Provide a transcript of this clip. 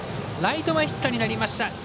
ライト前ヒットになりました。